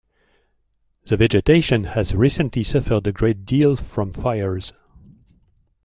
The vegetation has recently suffered a great deal from fires.